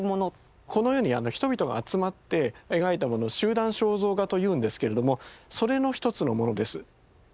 このように人々が集まって描いたものを「集団肖像画」と言うんですけれどもそれの一つのものです。